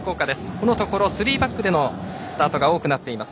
このところ３バックでのスタートが多くなっています。